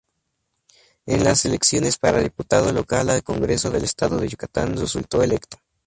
En las elecciones para diputado local al Congreso del Estado de Yucatán resultó electo.